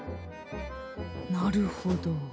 なるほど。